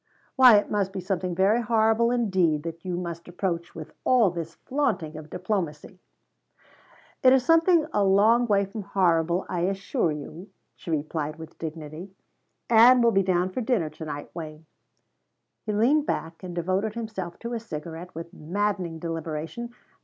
"Why it must be something very horrible indeed, that you must approach with all this flaunting of diplomacy." "It is something a long way from horrible, I assure you," she replied with dignity. "Ann will be down for dinner to night, Wayne." He leaned back and devoted himself to his cigarette with maddening deliberation.